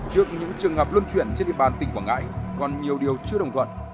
trước những trường hợp luân chuyển trên địa bàn tỉnh quảng ngãi còn nhiều điều chưa đồng thuận